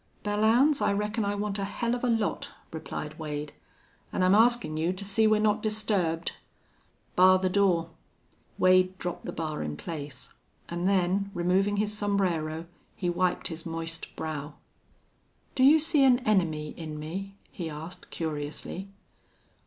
"Belllounds, I reckon I want a hell of a lot," replied Wade. "An' I'm askin' you to see we're not disturbed." "Bar the door." Wade dropped the bar in place, and then, removing his sombrero, he wiped his moist brow. "Do you see an enemy in me?" he asked, curiously.